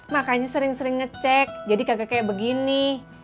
makanya sering sering ngecek jadi kakek kayak begini